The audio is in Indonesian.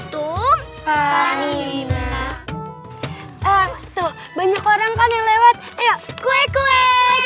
tum fahim banyak orang kan lewat kue kue